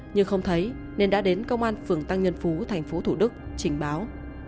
nhưng không thấy nên đã đến công an phường tăng nhân phú thành phố thủ đức trình báo